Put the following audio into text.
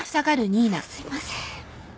すいません。